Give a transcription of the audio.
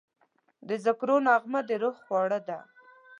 د ذکرو نغمه د روح خواړه ده.